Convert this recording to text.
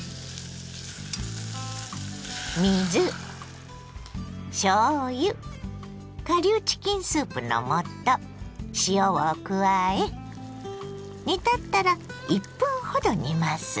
水しょうゆ顆粒チキンスープの素塩を加え煮立ったら１分ほど煮ます。